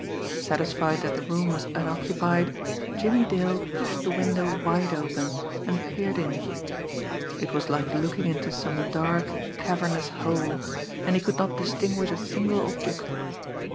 Satisfied that the room was unoccupied, Jimmie Dale pushed the window wide open, and peered in. It was like looking into some dark cavernous hole, and he could not distinguish a single object.